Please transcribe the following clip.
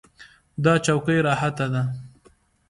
دا چوکۍ راحته ده.